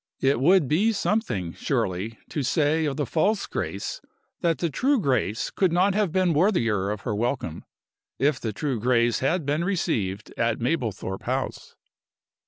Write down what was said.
It would be something, surely, to say of the false Grace that the true Grace could not have been worthier of her welcome, if the true Grace had been received at Mablethorpe House!)